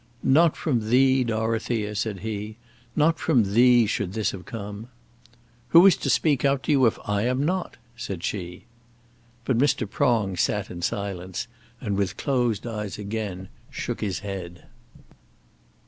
"Not from thee, Dorothea," said he, "not from thee should this have come." "Who is to speak out to you if I am not?" said she. But Mr. Prong sat in silence, and with closed eyes again shook his head.